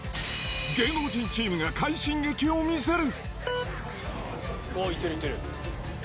芸能人チームが快進撃を見せる。